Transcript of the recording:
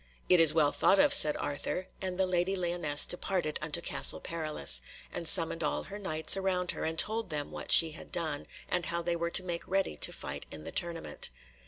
"It is well thought of," said Arthur, and the Lady Lyonesse departed unto Castle Perilous, and summoned all her Knights around her, and told them what she had done, and how they were to make ready to fight in the tournament.